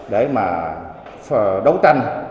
để mà đấu tranh